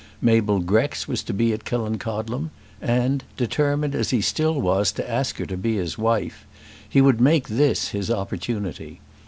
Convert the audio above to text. Mabel Grex was to be at Killancodlem, and, determined as he still was to ask her to be his wife, he would make this his opportunity.